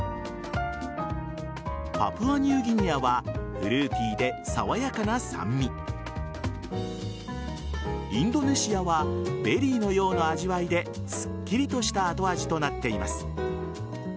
パプアニューギニアはフルーティーでさわやかな酸味インドネシアはベリーのような味わいですっきりとした後味となっています。